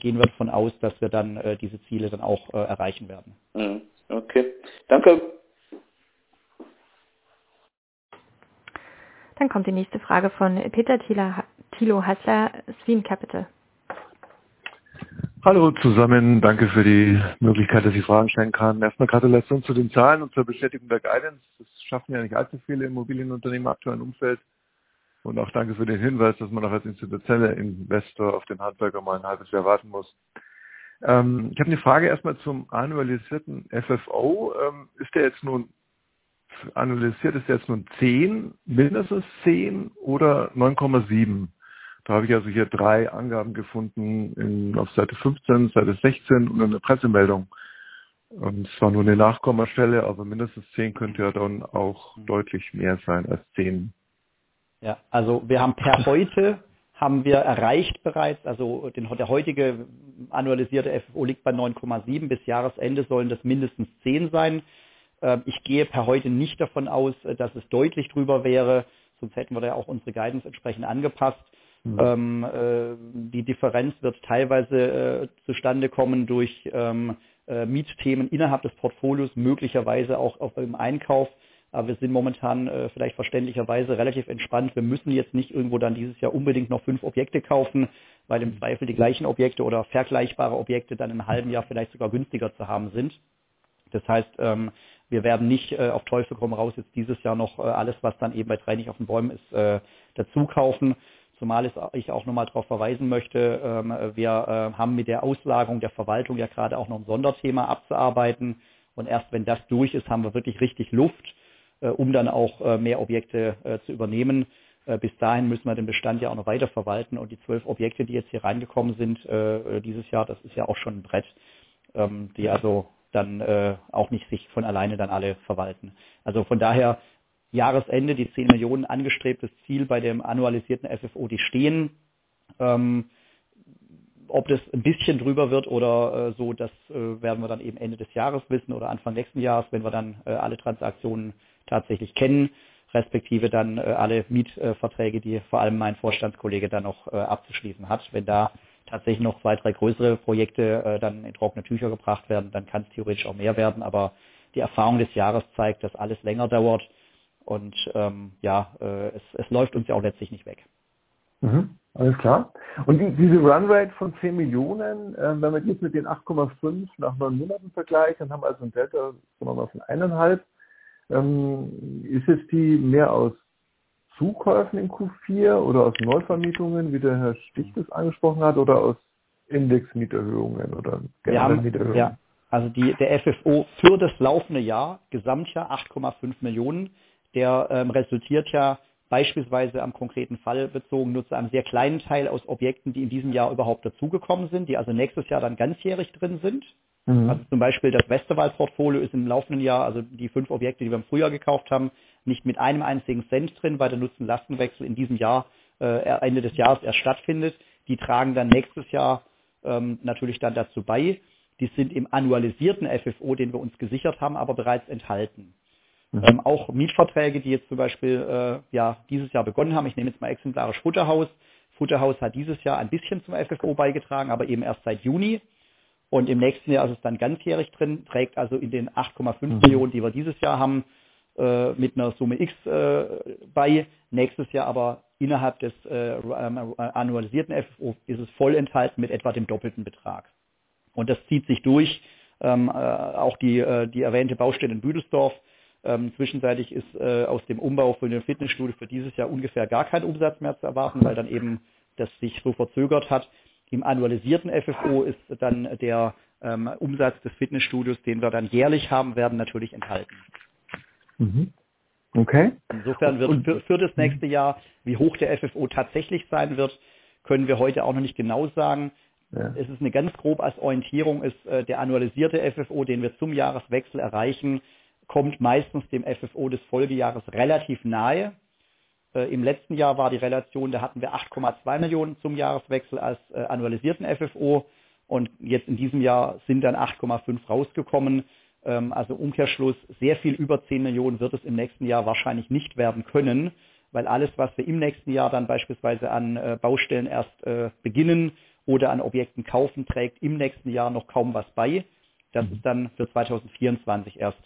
gehen wir davon aus, dass wir dann diese Ziele dann auch erreichen werden. Mhm. Okay, danke. Kommt die nächste Frage von Peter Thilo Hasler, Sphene Capital. Hallo zusammen. Danke für die Möglichkeit, dass ich Fragen stellen kann. Erst mal Gratulation zu den Zahlen und zur Bestätigung der Guidance. Das schaffen ja nicht allzu viele Immobilienunternehmen im aktuellen Umfeld. Auch danke für den Hinweis, dass man auch als institutioneller Investor auf den Handwerker mal ein halbes Jahr warten muss. Ich habe eine Frage erst mal zum annualisierten FFO. Ist der annualisierte jetzt nun 10, mindestens 10 oder 9.7? Da habe ich also hier 3 Angaben gefunden in, auf Seite 15, Seite 16 und in der Pressemeldung. Zwar nur 1 Nachkommastelle, aber mindestens 10 könnte ja dann auch deutlich mehr sein als 10. Wir haben per heute bereits den heutigen annualisierten FFO erreicht, der bei 9.7 liegt. Bis Jahresende sollen das mindestens 10 sein. Ich gehe per heute nicht davon aus, dass es deutlich drüber wäre. Sonst hätten wir ja auch unsere Guidance entsprechend angepasst. Die Differenz wird teilweise zustande kommen durch Mietthemen innerhalb des Portfolios, möglicherweise auch im Einkauf. Wir sind momentan vielleicht verständlicherweise relativ entspannt. Wir müssen jetzt nicht irgendwo dann dieses Jahr unbedingt noch 5 Objekte kaufen, weil im Zweifel die gleichen Objekte oder vergleichbare Objekte dann im halben Jahr vielleicht sogar günstiger zu haben sind. Das heißt, wir werden nicht auf Teufel komm raus jetzt dieses Jahr noch alles, was dann eben nicht auf den Bäumen wächst, dazukaufen. Zumal es, ich auch noch mal darauf verweisen möchte, wir haben mit der Auslagerung der Verwaltung ja gerade auch noch ein Sonderthema abzuarbeiten und erst wenn das durch ist, haben wir wirklich richtig Luft, um dann auch mehr Objekte zu übernehmen. Bis dahin müssen wir den Bestand ja auch noch weiter verwalten. Die 12 Objekte, die jetzt hier reingekommen sind dieses Jahr, das ist ja auch schon ein Brett, die also dann auch nicht sich von alleine dann alle verwalten. Von daher, Jahresende, die 10 Millionen angestrebtes Ziel bei dem annualisierten FFO, die stehen. Ob das ein bisschen drüber wird oder so, das werden wir dann eben Ende des Jahres wissen oder Anfang nächsten Jahres, wenn wir dann alle Transaktionen tatsächlich kennen respektive dann alle Mietverträge, die vor allem mein Vorstandskollege dann noch abzuschließen hat. Wenn da tatsächlich noch zwei, drei größere Projekte dann in trockene Tücher gebracht werden, dann kann es theoretisch auch mehr werden. Die Erfahrung des Jahres zeigt, dass alles länger dauert und ja, es läuft uns ja auch letztlich nicht weg. Mhm. Alles klar. Diese Run Rate von 10 Millionen, wenn man die jetzt mit den 8.5 nach neun Monaten vergleicht, dann haben wir also einen Delta von 1.5. Ist jetzt die mehr aus Zukäufen in Q4 oder aus Neuvermietungen, wie der Herr Sticht es angesprochen hat, oder aus Indexmieterhöhungen oder generell Mieterhöhungen? Der FFO für das laufende Jahr, Gesamtjahr 8.5 Millionen, resultiert ja beispielsweise am konkreten Fall bezogen nur zu einem sehr kleinen Teil aus Objekten, die in diesem Jahr überhaupt dazugekommen sind, die also nächstes Jahr dann ganzjährig drin sind. Zum Beispiel das Westwall-Portfolio ist im laufenden Jahr, also die 5 Objekte, die wir im Frühjahr gekauft haben, nicht mit einem einzigen Cent drin, weil der Nutzen-Lasten-Wechsel in diesem Jahr Ende des Jahres erst stattfindet. Die tragen dann nächstes Jahr natürlich dann dazu bei. Die sind im annualisierten FFO, den wir uns gesichert haben, aber bereits enthalten. Auch Mietverträge, die jetzt zum Beispiel dieses Jahr begonnen haben. Ich nehme jetzt mal exemplarisch Futterhaus. Futterhaus hat dieses Jahr ein bisschen zum FFO beigetragen, aber eben erst seit Juni und im nächsten Jahr ist es dann ganzjährig drin, trägt also in den 8.5 million, die wir dieses Jahr haben, mit einer Summe X bei. Nächstes Jahr aber innerhalb des annualisierten FFO ist es voll enthalten mit etwa dem doppelten Betrag. Das zieht sich durch. Auch die erwähnte Baustelle in Büdelsdorf. Zwischenzeitlich ist aus dem Umbau von dem Fitnessstudio für dieses Jahr ungefähr gar kein Umsatz mehr zu erwarten, weil dann eben das sich so verzögert hat. Im annualisierten FFO ist dann der Umsatz des Fitnessstudios, den wir dann jährlich haben werden, natürlich enthalten. Mhm. Okay. Insofern wird für das nächste Jahr, wie hoch der FFO tatsächlich sein wird, können wir heute auch noch nicht genau sagen. Ja. Es ist eine ganz grobe Orientierung, der annualisierte FFO, den wir zum Jahreswechsel erreichen, kommt meistens dem FFO des Folgejahres relativ nahe. Im letzten Jahr war die Relation, da hatten wir 8.2 Millionen zum Jahreswechsel als annualisierten FFO und jetzt in diesem Jahr sind dann 8.5 rausgekommen. Also Umkehrschluss. Sehr viel über 10 Millionen wird es im nächsten Jahr wahrscheinlich nicht werden können, weil alles, was wir im nächsten Jahr dann beispielsweise an Baustellen erst beginnen oder an Objekten kaufen, trägt im nächsten Jahr noch kaum was bei. Das ist dann für 2024 erst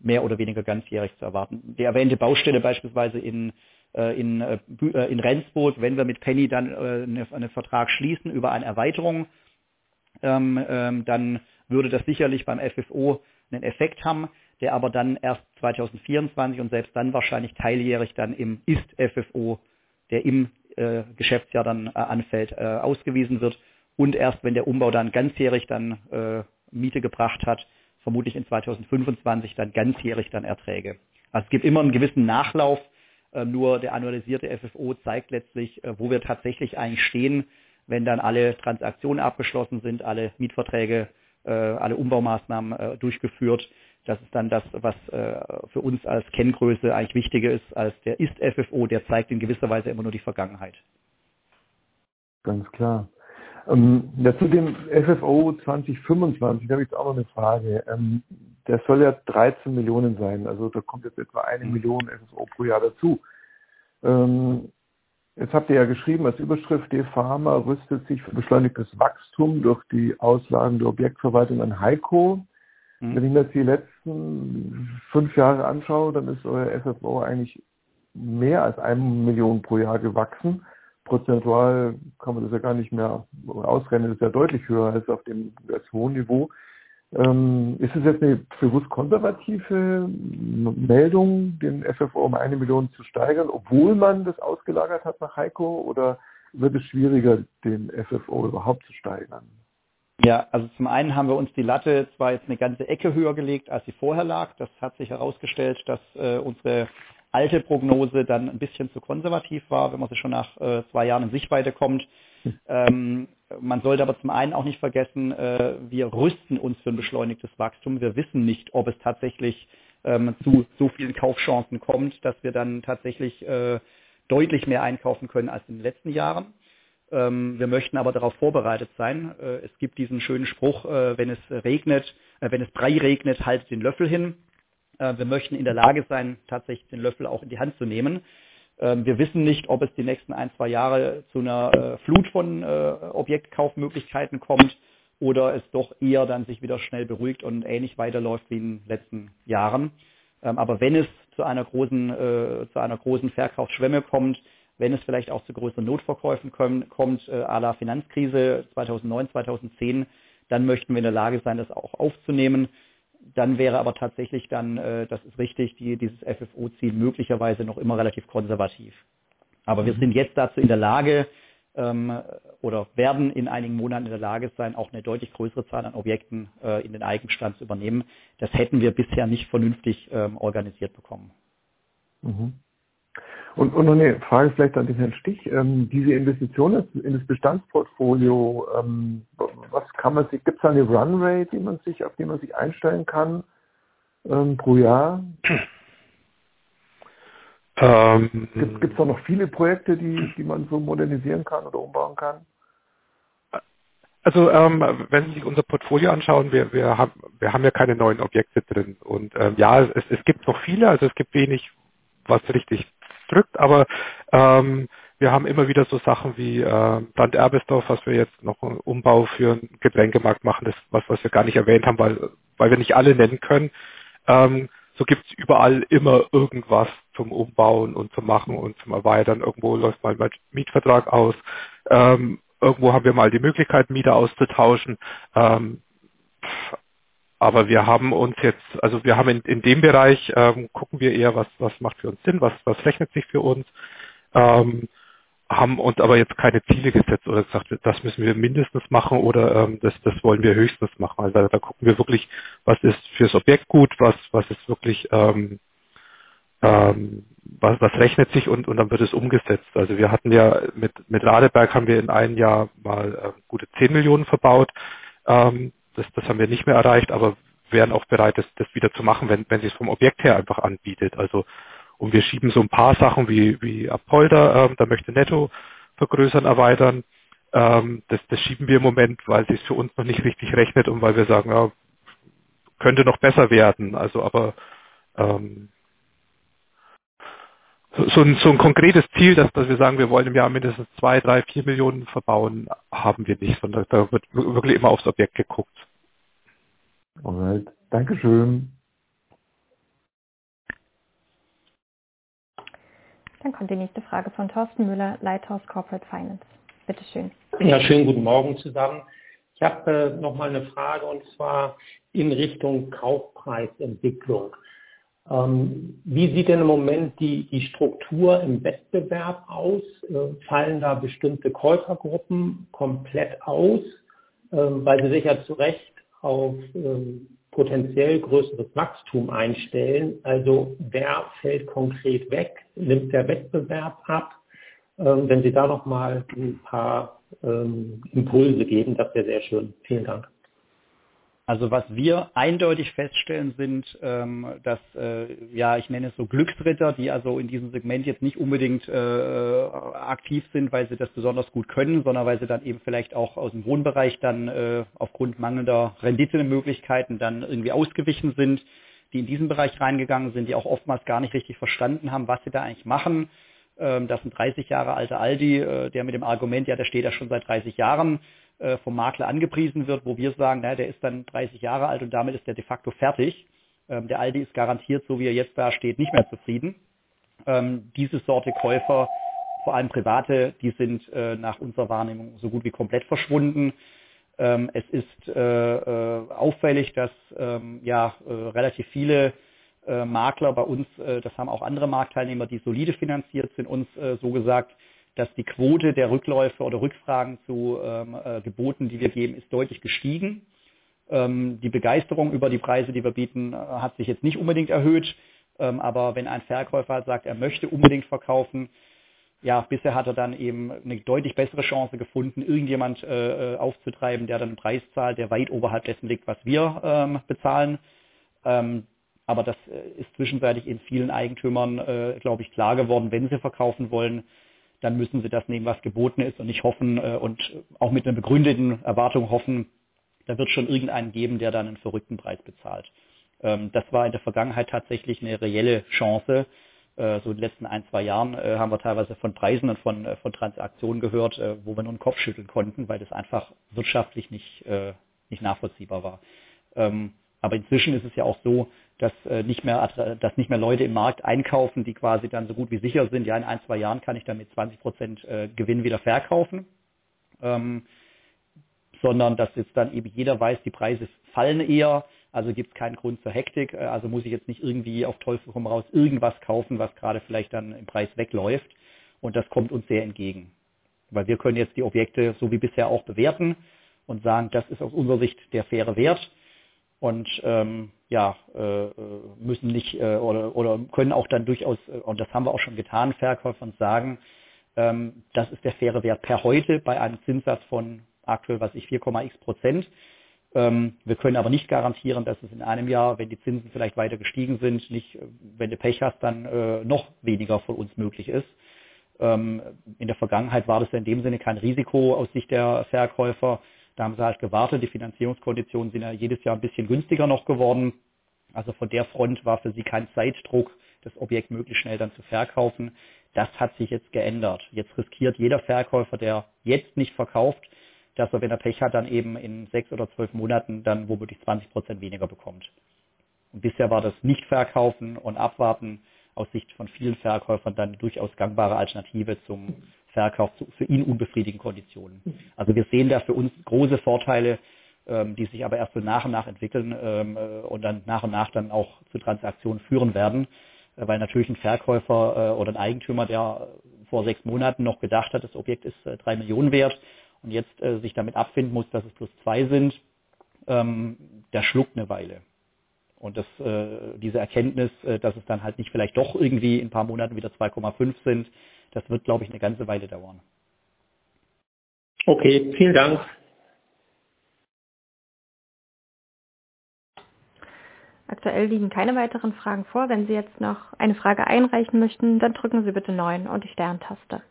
mehr oder weniger ganzjährig zu erwarten. Die erwähnte Baustelle beispielsweise in Rendsburg, wenn wir mit Penny dann einen Vertrag schließen über eine Erweiterung, dann würde das sicherlich beim FFO einen Effekt haben, der aber dann erst 2024 und selbst dann wahrscheinlich teiljährig im Ist-FFO, der im Geschäftsjahr anfällt, ausgewiesen wird und erst, wenn der Umbau ganzjährig Miete gebracht hat, vermutlich in 2025 ganzjährig Erträge. Es gibt immer einen gewissen Nachlauf, nur der annualisierte FFO zeigt letztlich, wo wir tatsächlich eigentlich stehen, wenn alle Transaktionen abgeschlossen sind, alle Mietverträge, alle Umbaumaßnahmen durchgeführt. Das ist dann das für uns als Kenngröße eigentlich wichtiger ist als der Ist-FFO. Der zeigt in gewisser Weise immer nur die Vergangenheit. Ganz klar. Ja, zu dem FFO 2025 habe ich auch noch eine Frage. Der soll ja 13 million sein. Also da kommt jetzt etwa 1 million FFO pro Jahr dazu. Jetzt habt ihr ja geschrieben als Überschrift: DEFAMA rüstet sich für beschleunigtes Wachstum durch die Auslagerung der Objektverwaltung an Heco-Immobilien. Mhm. Wenn ich mir die letzten 5 Jahre anschaue, dann ist euer FFO eigentlich mehr als 1 million pro Jahr gewachsen. Prozentual kann man das ja gar nicht mehr ausrechnen. Ist ja deutlich höher als auf dem hohen Niveau. Ist es jetzt eine bewusst konservative Meldung, den FFO um 1 million zu steigern, obwohl man das ausgelagert hat nach Heco-Immobilien? Oder wird es schwieriger, den FFO überhaupt zu steigern? Ja, also zum einen haben wir uns die Latte zwar jetzt eine ganze Ecke höher gelegt, als sie vorher lag. Das hat sich herausgestellt, dass unsere alte Prognose dann ein bisschen zu konservativ war, wenn man sich schon nach zwei Jahren in Sichtweite kommt. Man sollte aber zum einen auch nicht vergessen, wir rüsten uns für ein beschleunigtes Wachstum. Wir wissen nicht, ob es tatsächlich zu so vielen Kaufchancen kommt, dass wir dann tatsächlich deutlich mehr einkaufen können als in den letzten Jahren. Wir möchten aber darauf vorbereitet sein. Es gibt diesen schönen Spruch, „Wenn es regnet, halt den Löffel hin.“ Wir möchten in der Lage sein, tatsächlich den Löffel auch in die Hand zu nehmen. Wir wissen nicht, ob es die nächsten ein, zwei Jahre zu einer Flut von Objektkaufmöglichkeiten kommt oder es doch eher dann sich wieder schnell beruhigt und ähnlich weiterläuft wie in den letzten Jahren. Wenn es zu einer großen Verkaufsschwemme kommt, wenn es vielleicht auch zu größeren Notverkäufen kommt, à la Finanzkrise 2009, 2010, möchten wir in der Lage sein, das auch aufzunehmen. Wäre aber tatsächlich, das ist richtig, dieses FFO-Ziel möglicherweise noch immer relativ konservativ. Wir sind jetzt dazu in der Lage, oder werden in einigen Monaten in der Lage sein, auch eine deutlich größere Zahl an Objekten in den Eigenbestand zu übernehmen. Das hätten wir bisher nicht vernünftig organisiert bekommen. Noch eine Frage vielleicht an den Herrn Stich. Diese Investitionen in das Bestandsportfolio, gibt es da eine Runway, die man sich einstellen kann, pro Jahr? Ähm. Gibt es da noch viele Projekte, die man so modernisieren kann oder umbauen kann? Wenn Sie sich unser Portfolio anschauen, wir haben ja keine neuen Objekte drin. Ja, es gibt noch viele. Es gibt wenig, was richtig drückt. Wir haben immer wieder so Sachen wie Brand-Erbisdorf, was wir jetzt noch einen Umbau für einen Getränkemarkt machen. Das ist was wir gar nicht erwähnt haben, weil wir nicht alle nennen können. So gibt es überall immer irgendwas zum Umbauen und zu machen und zum Erweitern. Irgendwo läuft mal ein Mietvertrag aus. Irgendwo haben wir mal die Möglichkeit, Mieter auszutauschen. Wir haben uns jetzt, also wir haben in dem Bereich gucken wir eher, was macht für uns Sinn, was rechnet sich für uns? haben uns jetzt keine Ziele gesetzt oder gesagt, das müssen wir mindestens machen oder, das wollen wir höchstens machen. Da gucken wir wirklich, was ist fürs Objekt gut, was ist wirklich, was rechnet sich und dann wird es umgesetzt. Wir hatten ja mit Radeberg, haben wir in einem Jahr mal gute 10 Millionen verbaut. Das haben wir nicht mehr erreicht, aber wären auch bereit, das wieder zu machen, wenn sich es vom Objekt her einfach anbietet. Wir schieben so ein paar Sachen wie Apolda, da möchte Netto vergrößern, erweitern. Das schieben wir im Moment, weil sich's für uns noch nicht richtig rechnet und weil wir sagen: ja, könnte noch besser werden. so ein konkretes Ziel, dass wir sagen, wir wollen im Jahr mindestens EUR 2, 3, 4 Millionen verbauen, haben wir nicht, sondern da wird wirklich immer aufs Objekt geguckt. Danke schön. Kommt die nächste Frage von Thorsten Müller, Lighthouse Corporate Finance. Bitte schön. Ja, schönen guten Morgen zusammen. Ich habe noch mal 'ne Frage, und zwar in Richtung Kaufpreisentwicklung. Wie sieht denn im Moment die Struktur im Wettbewerb aus? Fallen da bestimmte Käufergruppen komplett aus, weil sie sich ja zu Recht auf potenziell größeres Wachstum einstellen? Also wer fällt konkret weg? Nimmt der Wettbewerb ab? Wenn Sie da noch mal ein paar Impulse geben, das wär sehr schön. Vielen Dank. Was wir eindeutig feststellen, sind, dass, ja, ich nenne es so Glücksritter, die also in diesem Segment jetzt nicht unbedingt aktiv sind, weil sie das besonders gut können, sondern weil sie dann eben vielleicht auch aus dem Wohnbereich dann aufgrund mangelnder Renditemöglichkeiten dann irgendwie ausgewichen sind, die in diesen Bereich reingegangen sind, die auch oftmals gar nicht richtig verstanden haben, was sie da eigentlich machen. Da sind 30 Jahre alter Aldi, der mit dem Argument, ja, der steht da schon seit 30 Jahren, vom Makler angepriesen wird, wo wir sagen: Na, der ist dann 30 Jahre alt und damit ist der de facto fertig. Der Aldi ist garantiert so wie er jetzt da steht, nicht mehr zufrieden. Diese Sorte Käufer, vor allem Private, die sind nach unserer Wahrnehmung so gut wie komplett verschwunden. Es ist auffällig, dass relativ viele Makler bei uns das haben auch andere Marktteilnehmer, die solide finanziert sind, uns so gesagt, dass die Quote der Rückläufe oder Rückfragen zu Geboten, die wir geben, ist deutlich gestiegen. Die Begeisterung über die Preise, die wir bieten, hat sich jetzt nicht unbedingt erhöht, aber wenn ein Verkäufer sagt, er möchte unbedingt verkaufen, bisher hat er dann eben eine deutlich bessere Chance gefunden, irgendjemand aufzutreiben, der dann einen Preis zahlt, der weit oberhalb dessen liegt, was wir bezahlen. Das ist zwischenzeitlich eben vielen Eigentümern, glaube ich, klar geworden: Wenn sie verkaufen wollen, dann müssen sie das nehmen, was geboten ist und nicht hoffen und auch mit 'ner begründeten Erwartung hoffen, da wird's schon irgendeinen geben, der da 'nen verrückten Preis bezahlt. Das war in der Vergangenheit tatsächlich 'ne reelle Chance. So in den letzten 1-2 Jahren haben wir teilweise von Preisen und von Transaktionen gehört, wo wir nur den Kopf schütteln konnten, weil das einfach wirtschaftlich nicht nachvollziehbar war. Aber inzwischen ist es ja auch so, dass nicht mehr Leute im Markt einkaufen, die quasi dann so gut wie sicher sind. Ja, in 1-2 Jahren kann ich da mit 20% Gewinn wieder verkaufen. Sondern dass jetzt dann eben jeder weiß, die Preise fallen eher, also gibt's keinen Grund zur Hektik. Also muss ich jetzt nicht irgendwie auf Teufel komm raus irgendwas kaufen, was gerade vielleicht dann im Preis wegläuft. Das kommt uns sehr entgegen, weil wir können jetzt die Objekte so wie bisher auch bewerten und sagen: Das ist aus unserer Sicht der faire Wert. Oder können auch dann durchaus, und das haben wir auch schon getan, Verkäufern sagen: Das ist der faire Wert per heute bei einem Zinssatz von aktuell, was weiß ich, 4.x %. Wir können aber nicht garantieren, dass es in einem Jahr, wenn die Zinsen vielleicht weiter gestiegen sind, nicht, wenn du Pech hast, dann noch weniger von uns möglich ist. In der Vergangenheit war das ja in dem Sinne kein Risiko aus Sicht der Verkäufer. Da haben sie halt gewartet. Die Finanzierungskonditionen sind ja jedes Jahr ein bisschen günstiger noch geworden. Von der Front war für sie kein Zeitdruck, das Objekt möglichst schnell dann zu verkaufen. Das hat sich jetzt geändert. Jetzt riskiert jeder Verkäufer, der jetzt nicht verkauft, dass er, wenn er Pech hat, dann eben in 6 oder 12 Monaten dann womöglich 20% weniger bekommt. Bisher war das Nichtverkaufen und Abwarten aus Sicht von vielen Verkäufern dann eine durchaus gangbare Alternative zum Verkauf zu für ihn unbefriedigenden Konditionen. Also wir sehen da für uns große Vorteile, die sich aber erst so nach und nach entwickeln, und dann nach und nach dann auch zu Transaktionen führen werden, weil natürlich ein Verkäufer oder ein Eigentümer, der vor 6 Monaten noch gedacht hat, das Objekt ist 3 Millionen wert und jetzt sich damit abfinden muss, dass es bloß EUR 2 Millionen sind, der schluckt 'ne Weile. Diese Erkenntnis, dass es dann halt nicht vielleicht doch irgendwie in paar Monaten wieder 2.5 sind, das wird, glaube ich, 'ne ganze Weile dauern. Okay, vielen Dank. Aktuell liegen keine weiteren Fragen vor. Wenn Sie jetzt noch eine Frage einreichen möchten, dann drücken Sie bitte Neun und die Stern-Taste.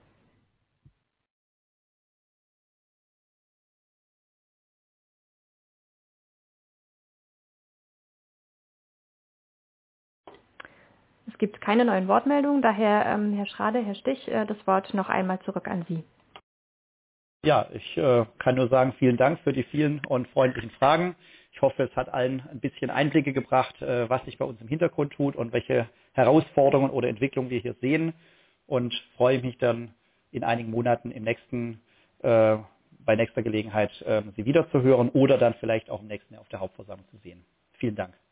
Es gibt keine neuen Wortmeldungen. Daher, Herr Schrade, Herr Stich, das Wort noch einmal zurück an Sie. Ja, ich kann nur sagen vielen Dank für die vielen und freundlichen Fragen. Ich hoffe, es hat allen ein bisschen Einsicht gebracht, was sich bei uns im Hintergrund tut und welche Herausforderungen oder Entwicklungen wir hier sehen und freue mich dann, in einigen Monaten, im nächsten, bei nächster Gelegenheit, Sie wiederzuhören oder dann vielleicht auch im nächsten Jahr auf der Hauptversammlung zu sehen. Vielen Dank.